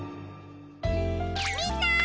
みんな！